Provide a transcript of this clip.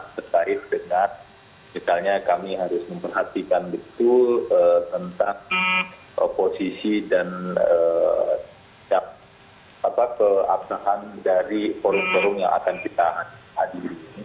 terkait dengan misalnya kami harus memperhatikan betul tentang oposisi dan keabsahan dari forum forum yang akan kita hadir